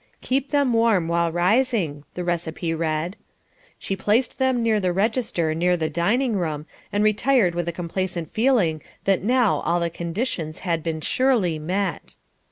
"Keep them warm while rising," the receipt read. She placed them near the register near the dining room and retired with a complacent feeling that now all the conditions had been surely met.